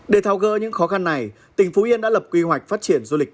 để thao gỡ những khó khăn này tỉnh phú yên đã lập quy hoạch phát triển du lịch